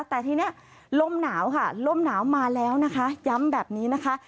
แต่ทีนี้ลมหนาวค่ะลมหนาวมาแล้วนะคะย้ำแบบนี้นะคะ